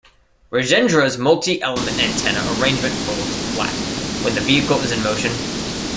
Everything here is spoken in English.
Rajendra's multi-element antenna arrangement folds flat when the vehicle is in motion.